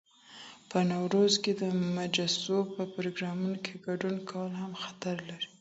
په نوروز کي د مجوسو په پروګرامونو کي ګډون کول هم خطر لري.